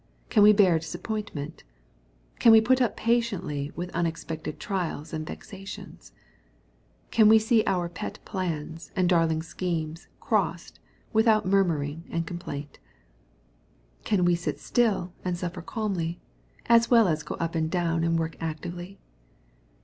Can we bear disappointment ? Can we put up patiently with unexpected trials and vexations ? Can we see our pet plans, and darling schemes crossed without murmuring and complaint? Can we sit still, and suffer calmly, as well as go up and down and work actively